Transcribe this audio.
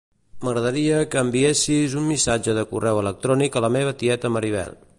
M'agradaria que enviessis un missatge de correu electrònic a la meva tieta Maribel.